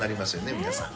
皆さん。